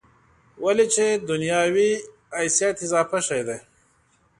ولې چې دنیا وي حیثیت اضافي شی دی.